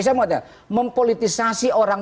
saya mau tanya mempolitisasi orang